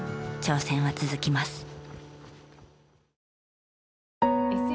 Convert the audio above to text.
挑戦は続きます。